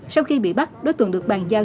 sau khi bị bắt đối tượng được bàn giao